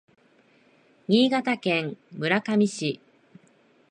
新潟県村上市